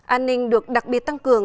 an ninh được đặc biệt tăng cường